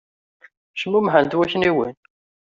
Cmummḥen-d wakniwen.